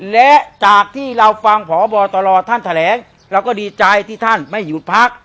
และจากที่เราฟังพบตรท่านแถลงเราก็ดีใจที่ท่านไม่หยุดพัก